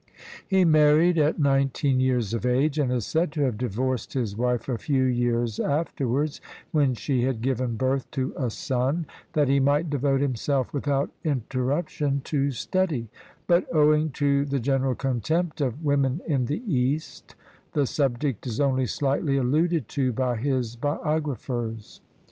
He married at nineteen years of age, and is said to have divorced his wife a few years afterwards, when she had given birth to a son, that he might devote himself without inter ruption to study; but owing to the general contempt of women in the East, the subject is only slightly alluded to by his biographers.